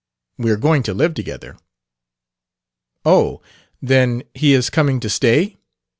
"We are going to live together." "Oh, then, he is coming to stay?